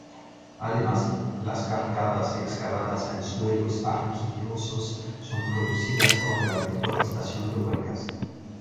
Además, las cárcavas excavadas en suelos arcillosos son producidas por la deforestación de cuencas.